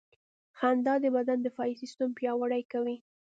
• خندا د بدن دفاعي سیستم پیاوړی کوي.